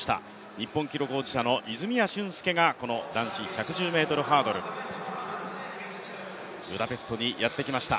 日本記録保持者の泉谷駿介がこの男子１１０ｍハードルブダペストにやってきました